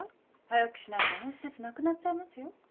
早くしないとあの施設なくなっちゃいますよ。